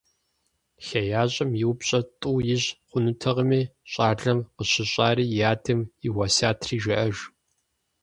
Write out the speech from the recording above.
ХеящӀэм и упщӀэр тӀу ищӀ хъунутэкъыми, щӀалэм къыщыщӏари и адэм и уэсиятри жеӀэж.